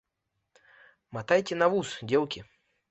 Матайце на вус, дзеўкі!